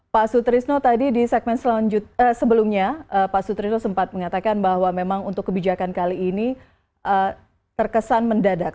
pak sutrisno tadi di segmen sebelumnya pak sutrino sempat mengatakan bahwa memang untuk kebijakan kali ini terkesan mendadak